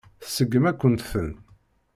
Tseggem-akent-ten.